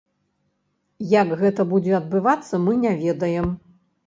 Як гэта будзе адбывацца, мы не ведаем.